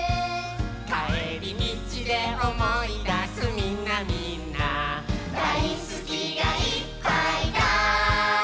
「かえりみちでおもいだすみんなみんな」「だいすきがいっぱいだ」